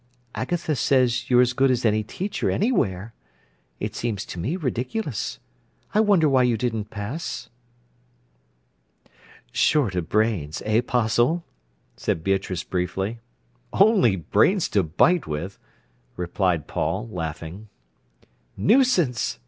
"Agatha says you're as good as any teacher anywhere. It seems to me ridiculous. I wonder why you didn't pass." "Short of brains, eh, 'Postle?" said Beatrice briefly. "Only brains to bite with," replied Paul, laughing. "Nuisance!"